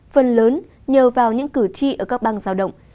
phần lớn nhờ vào những cử tri ở các bang giao động